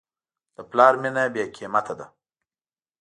د پلار مینه بېقیمت ده.